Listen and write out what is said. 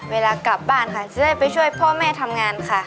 เวลากลับบ้านค่ะจะได้ไปช่วยพ่อแม่ทำงานค่ะ